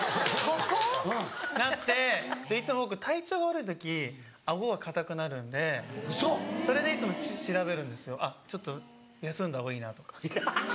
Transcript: いつも僕体調が悪い時顎が硬くなるんでそれでいつも調べるんですよちょっと休んだ方がいいなとか。